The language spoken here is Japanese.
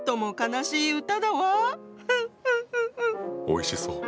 おいしそう。